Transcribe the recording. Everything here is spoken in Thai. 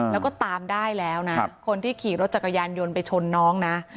แล้วก็ตามได้แล้วนะคนที่ขี่รถจักรยานยนต์ไปชนน้องนะ